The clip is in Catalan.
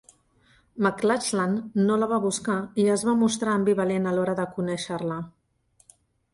McLachlan no la va buscar i es va mostrar ambivalent a l'hora de conèixer-la.